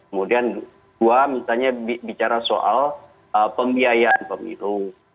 kemudian dua misalnya bicara soal pembiayaan pemilu